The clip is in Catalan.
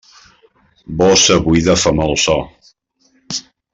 Bossa buida fa mal so.